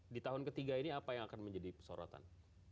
di tahun ketiga ini apa yang akan menjadi sorotan